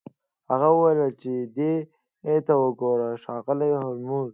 هغه وویل چې دې ته وګوره ښاغلی هولمز